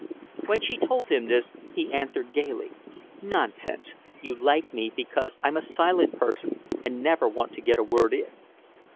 When she told him this he answered gaily: "Nonsense. You like me because I'm a silent person and never want to get a word in."